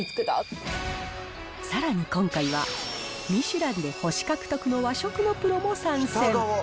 さらに今回は、ミシュランで星獲得の和食のプロも参戦。